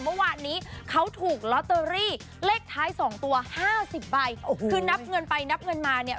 เมื่อวานนี้เขาถูกลอตเตอรี่เลขท้ายสองตัวห้าสิบใบโอ้โหคือนับเงินไปนับเงินมาเนี่ย